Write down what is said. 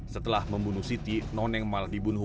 setelah membunuh siti noneng mal dibunuh